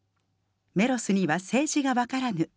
メロスには政治がわからぬ。